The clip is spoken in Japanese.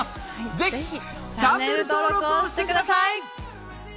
ぜひチャンネル登録をしてください！